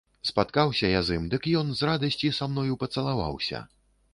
Спаткаўся я з ім, дык ён з радасці са мною пацалаваўся.